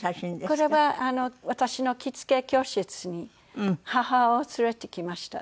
これは私の着付け教室に母を連れてきました。